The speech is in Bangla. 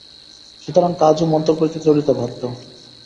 সুতরাং কাজও মন্থরগতিতে চলিতে বাধ্য।